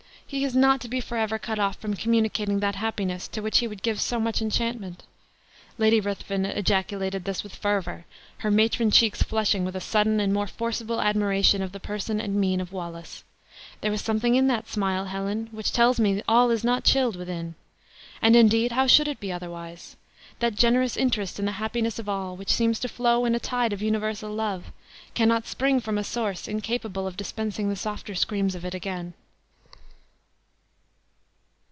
He is not to be forever cut off from communicating that happiness to which he would give so much enchantment!" Lady Ruthven ejaculated this with fervor, her matron cheeks flushing with a sudden and more forcible admiration of the person and mien of Wallace. "There was something in that smile, Helen, which tells me all is not chilled within. And, indeed, how should it be otherwise? That generous interest in the happiness of all, which seems to flow in a tide of universal love, cannot spring from a source incapable of dispensing the softer screams of it again."